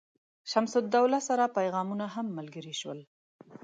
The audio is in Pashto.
شمس الدوله پیغامونه هم ملګري شول.